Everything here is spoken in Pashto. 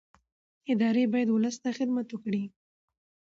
ادارې باید ولس ته خدمت وکړي